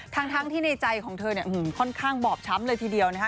ทั้งที่ในใจของเธอเนี่ยค่อนข้างบอบช้ำเลยทีเดียวนะคะ